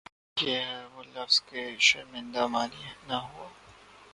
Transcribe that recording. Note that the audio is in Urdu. ہے یہ وہ لفظ کہ شرمندۂ معنی نہ ہوا